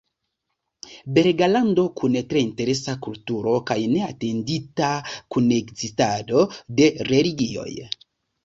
Belega lando kun tre interesa kulturo kaj neatendita kunekzistado de religioj.